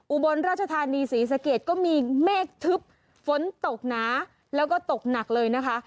อุบลราชธานีศรีสะเกดก็มีเมฆทึบฝนตกหนาแล้วก็ตกหนักเลยนะคะ